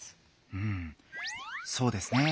うんそうですね。